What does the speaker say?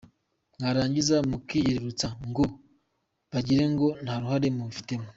Mwarangiza mukiyerurutsa ngo bagirengo ntaruhare mubifitemo.